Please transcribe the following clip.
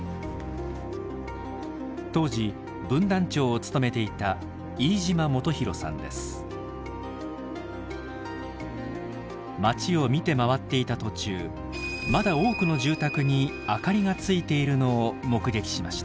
当時分団長を務めていた町を見て回っていた途中まだ多くの住宅に明かりがついているのを目撃しました。